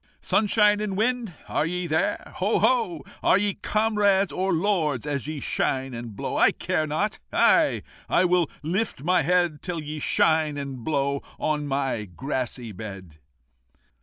"Sunshine and Wind? are ye there? Ho! ho! Are ye comrades or lords, as ye shine and blow? I care not, I! I will lift my head Till ye shine and blow on my grassy bed.